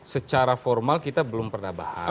secara formal kita belum pernah bahas